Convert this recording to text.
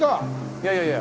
いやいやいや。